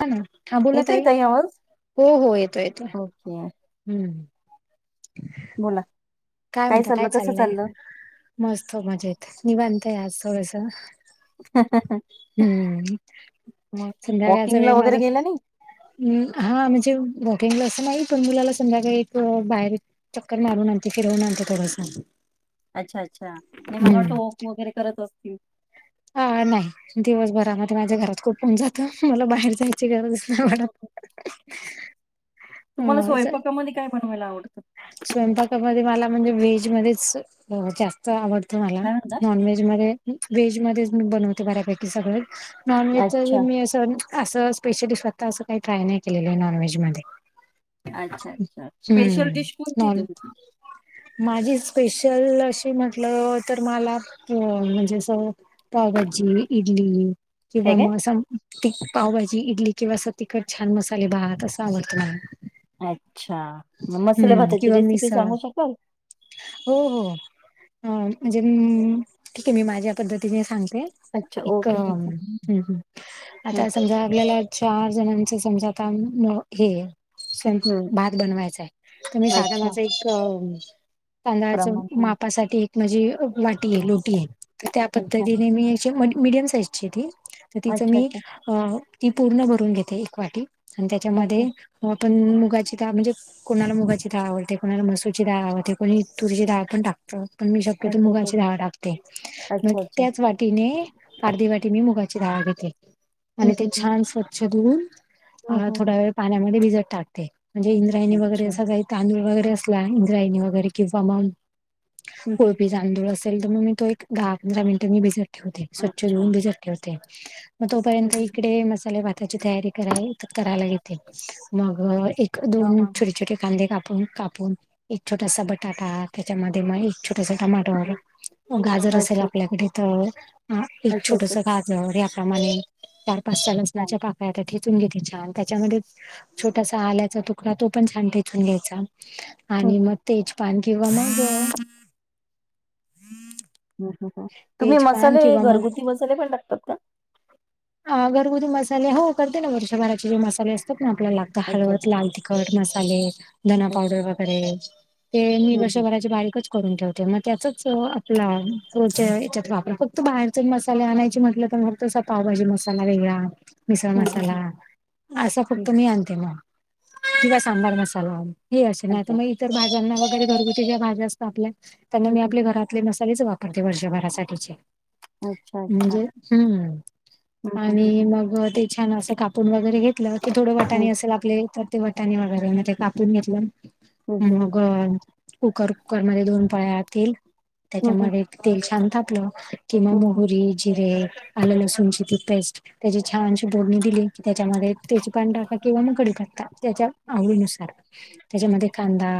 हा ना, हा बोला येतोय ताई. आवाज? हो हो येतो येतोय. [unintelligible] हम्म. बोला. काय म्हणता काय चाललं? कसं चाललंय? चाललं? मस्त, मजेत, निवांत आहे आज थोडस. हम्म, मग. संध्याकाळचा वॉकिंगला वेळ माझ वगैरे गेल्या नाही? ऊ हा म्हणजे वॉकिंगला असं नाही, पण मुलाला संध्याकाळी अ बाहेर एक चक्कर मारून आणते. फिरवून आणते थोडंस. अच्छा अच्छा! नाही मला वाटलं वॉक वगैरे करत असतील. अ नाही, दिवसभरामध्ये माझ्या घरात खूप होऊन जातं. मला बाहेर जाय ची गरज नाही हं, हं, हं. पडत. तुम्हाला स्वयंपाकामध्ये काय बनवायला आवडतं? स्वयंपाकामध्ये मला म्हणजे व्हेज मध्येच अ जास् त आवडत मला. काय म्हणता? नॉन व्हेज मधे, व्हेज मधेच मी बनवते बऱ्यापैकी सगळच नॉनव्हेजच अच्छा. मी अस, असं स्पेशली स्वतः असं काही ट्राय नाही केलेलं नॉनव्हेज मधे. अच्छा अच्छा, स्पेशल डिश कोणती आहे नॉन तुमची? माझी स्पेशल अशी म्हटलं तर मला अ म्हणजे अस पावभाजी, इडली काय किंवा काय? म अस ती पावभाजी, इडली किंवा असं तिखट छान मसाले भात, असं आवडत मला. अच्छा! मग मसाले हम्म भाताची किंवा रेसिपी मिसळ सांगू शकाल? हो हो, अ म्हणजे उम ठीक आहे मी माझ्या पद्धतीने सांगते अच्छा. एक ओके. हम्म हम, हं. आता समजा आपल्याला चार जणांच समजा आता म हे सम हं. भात बनवायचाय त मी साधा अच्छा. माझा एक तांदळाच प्रमाण. हं. मापासाठी एक माझी वाटी आहे, लोटी आहे. त त्या अच्छा. पद्धतीने मी अशी म्हण मीडियम साईजची आहे ती, तर तिचं अच्छा, मी अच्छा. अ ती पूर्ण भरून घेते, एक वाटी आणि त्याच्यामध्ये अच्छा. आपण मुगाची डाळ म्हणजे कोणाला मुगाची डाळ आवडते, कोणाला मसुरची डाळ आवडते, कोणी तुरीची डाळ पण टाकत. पण मी शक्यतो अच्छा, अच्छा. मुगाची डाळ टाकते. मग अच्छा, अच्छा. त्याच वाटीने अर्धी वाटी मी मुगाची डाळ घेते हं, आणि ती हं, हं. छान स्वच्छ धुऊून हं, आ हं, हं. थोडा वेळ पाण्यामध्ये भिजत टाकते, म्हणजे इंद्रायणी वगैरे अच्छा. असं काय तांदूळ वगैरे असला, इंद्रायणी वगैरे किंवा मग हं, हं. कोळपीचा तांदूळ असेल तर मग मी तो एक दहा पंधरा मिनिट मी भिजत ठेवते. स्वच्छ अच्छा. धुऊन भिजत ठेवते. मग हं, तोपर्यंत हं, हं. इकडे मसाले भाताची तयारी कराव करायला घेते. मग हां, दोन हां. छोटे छोटे कांदे कापून काप एक छोटासा बटाटा त्याच्यामध्ये म एक छोटासा टमाटो गाजर असला अच्छा, अच्छा. क तर एक अच्छा, छोटस अच्छा. गाजर याप्रमाणे चार-पाच-सहा हां. लसणाच्या पाक ता ठेचून घेते छान. त्याच्यामध्येच छोटासा आल्याचा तुकडा तो पण छान ठेचून घ्यायचा. हं, आणि हं. मग तेजपान किंवा मग तुम्ही तेजपान मसाले किंवा मग घरगुती मसाले पण टाकतात का? अ घरगुती मसाले हो करते ना. वर्षभराचे जे मसाले असतात ना आपल्याला. अच्छा, हळद, अच्छा. लाल तिखट, मसाले, धना अच्छा, अच्छा. पावडर वगैरे. ते मी हं, हं. वर्षभराचे बारीकच करून ठेवते. मग त्याच आपच्यात वापर फक्त बाहेर मसाले आणायचे म्हट त पावभाजी मसाला वेगळा मिसळ हं, हं, मसाला. हं, असं हं. फक्त मी आणते मग. किंवा सांबार मसाला हे असे नाहीतर अच्छा. मग तर भाज्यांना वगैरे घरगुती ज्या भाज्या असतात आपल्या. त्यांना हं, मी हं, आपल्या हं. घरात ले मसालेच वापरते वर्षभरासाठीचे. अच्छा, अच्छा. म्हणजे? हम्म. हं, हं, हं, आणि हं. मग ते छान असं कापून वगैरे घेतलं की थोडं वटाणी हं. अस आपले येतात ते वटाणी वगैरे म ते कापून घेतलं. हं, हं, हं. मग कुकर कुकर मध्ये दोन पळ्या तेल हं, हं. त्याच्यामध्ये तेल छान तापलं किंवा हं, हं. मोहरी, जिरे, आलं लसूणची ती पेस्ट त्याची छानची बोडणी दिली. त्याच्यामध्ये तेजपान टाका किंवा मग कडीपंतां त्याच्या आवडीनुसार. त्याच्यामध्ये कांदा,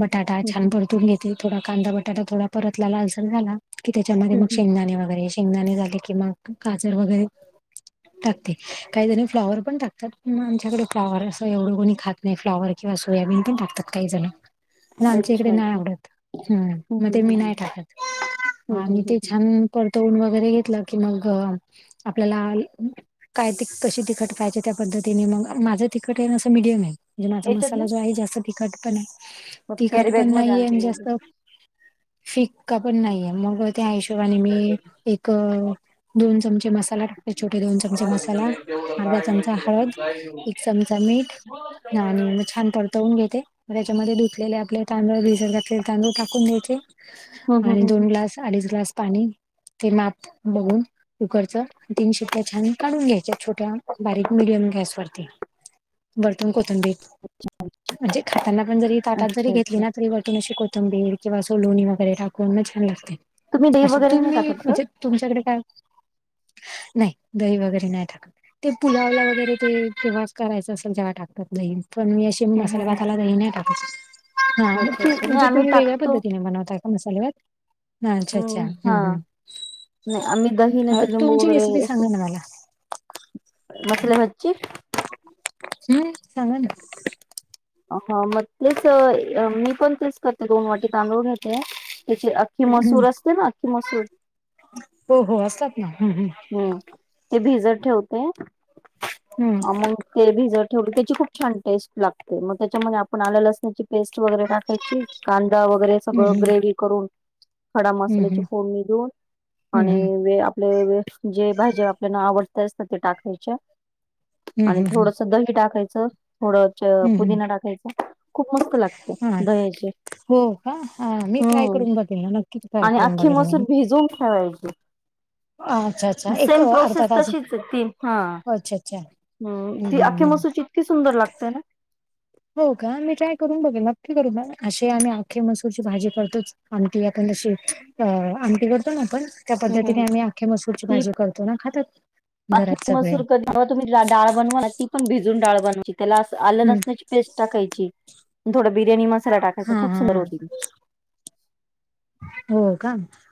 बटाटा हं, छान हं. परतून घेते थोडा कांदा बटाटा थोडा परतला लालसर झाला. कि त्याच्यामध्ये हं, मग हं. शेंगदाणे वगैरे शेंगदाणे झाले की मग गाजर वगैरे टाकते. काही जणी फ्लाॉवर पण टाकतात. आमच्याकडे फ्लाॉवर असं एवढं कोणी खातनाही. नाही फ्लाॉवर किंवा सोयाबीन पण टाकतात काही जण. आमच्या इकडे अच्छा, नाही अच्छा. आवडत. हम. हं, मग हं, ते हं, मी हं. नाही टाकत. हं, हं, आणि हं, ते हं. छान परतवून वगैरे घेतलं की मग आपल्याला काय त कशी तिकट खायचे त्या पद्धतीने मग माझं तिकट आहे अससं मीडियम आहे. म्हणजे माझा याच्यात ना मसाला जो आहे जास्त तिखट पण नाही मग तिखट कॅरी पण बॅगमध्ये नाहीये आणि आणते मी. जास्त फिक्का पण नाहीये. मग त्या हिशोबाने ते. मी एक दोन चमचे मसालाटे छोटे दोन चमचे मसाला अर्धा चमचा हळद एक चमचा मीठ आणि म छान पडतो. वून घेते मग त्याच्यामध्ये धुतलेले आपले तांदूळ बिजत घातले तांदूळ टाकून द्यायचे. हं, हं, आणि हं, हं. दोन ग्लास, अडीच ग्लास पाणी ते माप बघून कुकरच तीन शिट्ट्या छान काढून घ्यायच्या छोट्या बारीक मिडियम गॅसवरती. बरतून कोथिंबीर. म्हणजे खातांना पण जरी ताटात जरी अच्छा, घेतली अच्छा. ना तरी वरतून अशी कोथंबीर किंवा सलोणी वगैरे टाकून म छान लागते. तुम्ही दही असं वगैरे नाही तुम्ही टाकत का? म्हणजे तुमच्याकडे काय नाही दही वगैरे नाही टाकत. ते पुलावला वगैरे तेव्हा करायचं असेल जेव्हा टाकतात दही. पण हम्म मसाले हम्म हम्म. भाताला दही नाही टाकत. हा अच्छा तू अच्छा नाही म्हणजे आम्ही तुम्ही वेगळ्या टाकतो. पद्धतीने बनवताय का मसाले भात? हा अच्छा अच्छा! हम्म. हा हम्. हम. नाही आम्ही दही नाही तर लिंबू तुमची वगैरे रेसिपी अस सांगा ना मला मसाले भात ची हम् सांगा ना हो मग तेच मी पण तेच करते दोन वाटी तांदूळ घालते त्याची ती हम्म मसूर असते ना ती मसूर हो हो असतात ना हम हम्म ते भिजत ठेवते हम्म आ मग ते भिजत ठेवली त्याची खूप छान टेस्ट लागते मग त्याच्यामध्ये आपण आला लसणाची पेस्ट वगैरे टाकायची कांदा वगैरे सगळ ग्रेवी करून खडा हम्म मसाल्याची हम्म फोडणीदीवुन हम्म आणि हम्म आणि जे भाज्या आपल्याला न आवडत्या असतात त्या टाकायच्या हम्म आणि हम्म हम्म हम्म थोडस दही टाकायचं थोडं हम्म हम्म पुदीना टाकायचा खूप मस्त लागत हा दह्याची हो का हा मी ट्राय हम्म करून बघेल ना नक्की ट्राय आणि करून अख्खी बघेल मसूर मी भिजवून ठेवायची. अच्छा अच्छा एक सेम अर्धा प्रोसेस तास अच्छा अच्छा हम् हम्म ती हम्म अख्खी हम्म मसूची इतकी सुंदर लागतेय ना हो का मी ट्राय करून बघेल नक्की करू असे आम्ही आखे मसूरची भाजी करतोच आमटी आपण जशी अ आमटी करतो ना आपण त्या पद्धतीने हम्म आम्ही आखे मसूरची भाजी करतो ना खातात. आखी घरात सगळे मसुर कधी तुम्ही डाळ बनवा ना ती पण भिजून डाळ बनवाची त्येला अस आलं हम्म नसणाची पेस्ट टाकायची. थोडा बिर्याणी मसाला टाकायचा हा खूप हा सुंदर होती ती हो का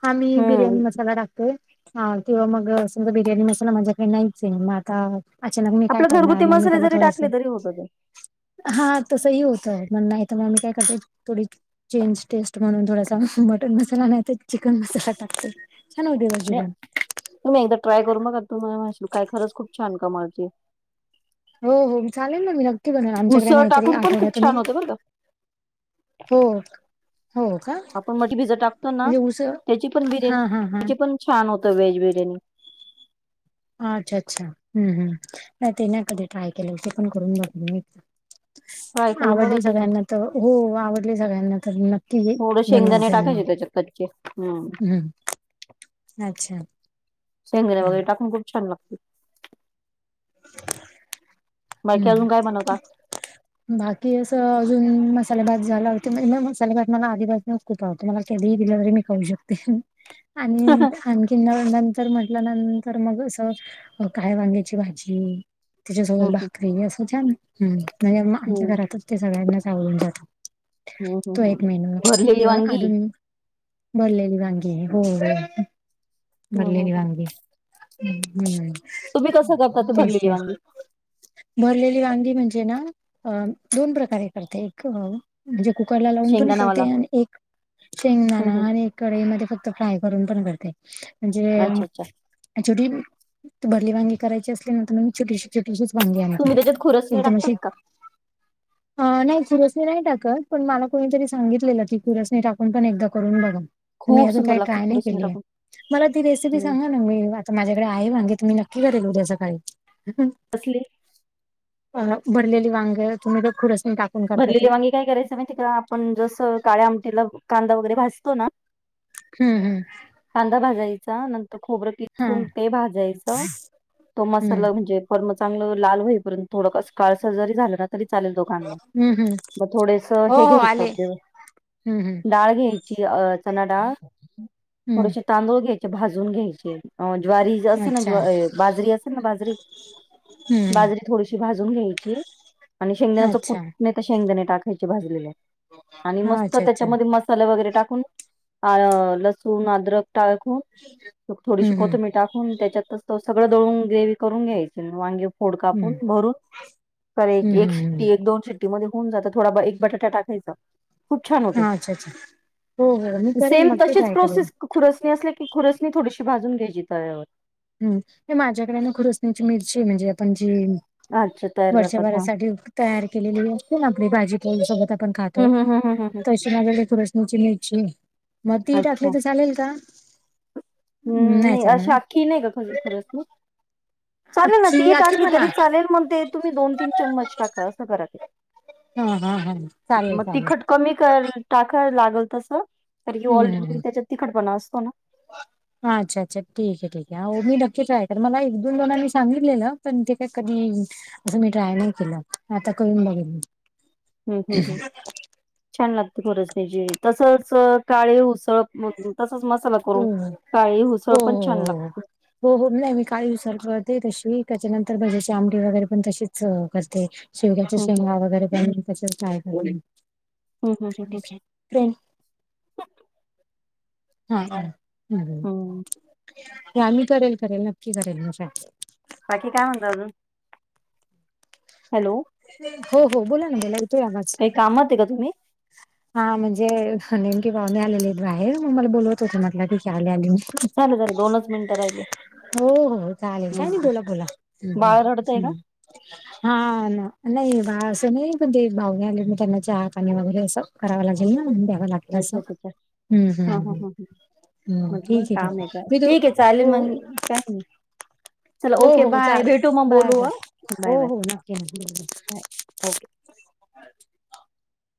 आम्ही बिर्याणी हम्म मसाला टाकतोय. हा तेव्हा मग समजा बिर्याणी मसाला माझ्याकडे नाहीच आहे मग आता अचानक मग मी काय आपलं करणार घरगुती मग मी मसाले त्याला जरी थोडंस टाकले तरी होत ते हा तसंही होतय म्हण नाही तर मग आम्ही काय करत थोडी चेंज टेस्ट म्हणून थोडासा मटन मसाला नाही तर चिकन मसाला टाकते छान होतय ब जेवण तुम्ही एकदा ट्राय करू बघाना मग आ तुम्ही मला म्हणशीला काय खरंच खूप छान कामाची हो हो मी चालेल ना मी नक्की बनवेल आमच्याकडे उसळ नाहीतरी टाकून पण खूप आठवड्यातूनी छान होते बरं का हो.. का आपण मठी भिजत टाकतो ना म्हणजे उसळ त्याची पण बिर्याणी हां हां हां त्याची पण छान होत वेज बिर्याणी हा अच्छा अच्छा हम् हम् नाही ते नाही कधी ट्राय केलं ते पण करून बघेन मी ट्राय ह. करून बघा आवडली तुम्ही सगळ्यांना तर हो आवडली सगळ्यांना तर नक्की बनवेन त्याना चपाती घे हम्म अच्छा शेंगदाणे हं वगैरे टाकून खूप छान लागते बाकी हम्म. अजून काय बनवता बाकी असं अजून मसाले भात झाला होते म्हणजे मग मसाले भात मला आधी पासन खूप आवडतो मला कधी दिला तरी खाऊ शकते आणि हम्म कि मग नंतर म्हटल्यानंतर मग असं काय वांग्याची भाजी त्याच्यासोबत हम्म भाकरी असं छान म्हणजे हम नाही म आमच्या हम्म घरातच ते सगळ्यांनाच आवडून जातो. हम्म हम्म तो हम्म. एक मेनू भरलेली किंवा वांगी अजून एक भरलेली वांगी हो हम्म हम्म भरलेली हम्म वांगी हम्म तुम्ही कसं करता ती तेच भरलेली तेच वांगी भरलेली वांगी म्हणजे ना अ दोन प्रकारे करते, एक अ म्हणजे कुकरला लावून पण शेंगदाणावाला करते आणि एक हम्म शेंगदाना हम्म आणि कढई मध्ये फक्त फ्राय करून पण करते, म्हणजे अच्छा अच्छा छोटी तू भरली वांगी करायची असली ना, तर मी छोटीशी छोटीशीच वांगी आणायची, तुम्ही त्याच्यात खुरसणी एकदम टाकतात अशी का नाही खुरसणी नाही टाकत, पण मला कोणीतरी सांगितलेलं की खुरसनी टाकुन पण एकदा करून बघा. पण मी खूप अजून सुंदर काय लागते ट्राय नाही खुरसणी केलीय. टाकून मला ती रेसिपी हम्म सांगा ना, मी म आता माझ्याकडे आहे वांगी, तर मी नक्की करेल उद्या सकाळी अं हं कसली? अ भरलेली वागं तुम्ही त्यात खुरसनी टाक भरलेली वांगी काय करायचं माहिती का, आपण जसं काळ्या आमटीला कांदा वगैरे भाजतो ना हम्म -हम्. कांदा भाजायचा नंतर खोबरं हा किसून ते भाजायचं, तो हम्म मसाला म्हणजे पण म चांगलं लाल होईर्यंत थोडं कसं काळसर जरी झालं ना तरी चालेलं तो कांदा. हम् -हम, म थोडेस हे घ्यायचं आपलं हम्म हम्म डाळ घ्याय ही अं चणादाळ, थोडेसे हम्म तांदूळ घ्यायचे भाजून घ्यायचे. अ ज्वारी असेल ना ज् अच्छा ए बाजरी असेल ना बाजरी हम्म बाजरी थोडीशी भाजून घ्यायची, आणि हम्म शेंगण्याच कुट अच्छा नाही त शेंगदाणे टाकायचे भाजायचे आणि हा मस्त अच्छा त्याच्या अच्छा मस साला वगैरे टाकून अ लसूण अद्रक टाकून थोडीशी हम्म हम्म कोथंबी टाकून त्याच्यातच त सगळं दळून, ग्रेवी करून घ्यायचं वांगे फोड कापून हम्म भरून हम्म करायची एक हम्म हम्म शिट्टी, एक दोन शिट्टी शिट्टी मध्ये होऊन जातं, थोडा ब एक बटाटा टाकायचा. खूप छान होते, हा अच्छा अच्छा हो हो मी करेन सेम नक्की तशिच ट्राय करेन प्रोसेस खुरसणी असल्या की, खुरसणी थोडीशी भाजून घ्यायची तव्यावर. हम्म, हे माझ्याकडे ना खुरुसणीची मिरची म्हणजे आपण जी अच्छा तयार करतात वर्षभरा हा साठी तयार केलेली असते ना आपली, भाजी-पोळी सोबत आपण खातो हम् हम् हम् हम् हम् तशी. माला ते खुरसणी ची घ्यायची ये. म ती अच्छा टाकली तर चालेल का, नाही चालणार. ती नाही का चालणर खुरसणी, चालेलं ना ती आखी हि आखी टाकली म्हणा तरी चाल चालेल मंग ते तुम्ही दो- तीन चमच टाका असं करा ते. हा, हा, हा चालेलं- मग चालेलं. तिखट कमी कर टाका लागेल तस, कारण की ऑलरेडी हम्म त्याच्यात तिखटपणा असतो ना. [inaudible] हा अच्छा -अच्छा ठीक ये, ठीक ये आवडली मी नक्की ट्राय करेलं, मला एक- दोन जनानी सांगितलेलं पण ते काय कधी पण मी ट्राय नाही केलं, आता करून बघेन मी. हम्, हम्, हम् छान लागते खरंच म्हणजे तसंच काळी उसळ मग तसाच मसाला हो करून, हो काळी हुसळ पण छान हो हो लागते. हो, हो नाही मी काळी हुसळ करते तशी, त्याच्यानंतर ते भज्याची आंमटी वगैरे पण तशीच करते. शेवग्याच्या हम्म शेंगा वगैरे त्यां पण तसंच फ्राय करते,.... हम्म हम्म हम्म कोण हम्म ये? फ्रेन्ड. हा, हा हम्म आ् मी करेल- करेल नक्की करेल मी ट्राय. बाकी काय म्हणता अजून? हॅलो, हो हो बोला ना बोला. येतोय आवाज काही कामात आहे का तुम्ही? हा म्हणजे नेमके पाहुणे आलेले आहेत बाहेर मग मला बोलवत होते म्हटलं ठीक आले आली मी. झालं झालं दोनच मिनिटं राहिले. हो हो चालेल काय नाही हम्म बोला बोला. बाळ रडतंय का हा ना नाही बा असं नाही पण ते भाऊने आले मी त्यांना चहा पाणी वगैरे असं, करावां लागेल ना द्यावं लागेल अस अच्छा अच्छा अच्छा हम्म हम्म हा हा हम्. हा हम् म्हटलं ठीक हे ठीक काम हे आहे का मी त ठीक आहे चालेल हो मग काही नाही चला हो ओके हो बाय चालेल भेटू मग बाय बोलू बाय हा बाय हो बाय हो नक्की नक्की. Bye okay.